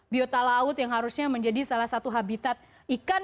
biota laut yang harusnya menjadi salah satu habitat ikan